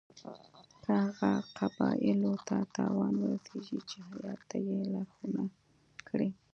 که هغو قبایلو ته تاوان ورسیږي چې هیات ته یې لارښودنه کړې.